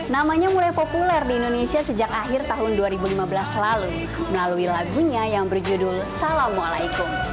namanya mulai populer di indonesia sejak akhir tahun dua ribu lima belas lalu melalui lagunya yang berjudul assalamualaikum